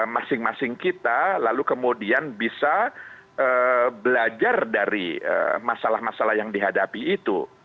masing masing kita lalu kemudian bisa belajar dari masalah masalah yang dihadapi itu